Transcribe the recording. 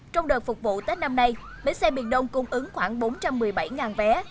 trong đợt phục vụ tết năm nay bến xe miền đông cung ứng khoảng bốn trăm một mươi bảy vé